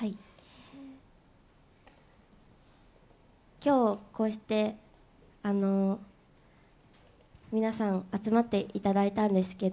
今日こうして、皆さん集まっていただいたんですけど、